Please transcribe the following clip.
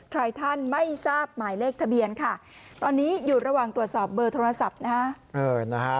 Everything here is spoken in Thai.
ใครท่านไม่ทราบหมายเลขทะเบียนค่ะตอนนี้อยู่ระหว่างตรวจสอบเบอร์โทรศัพท์นะฮะ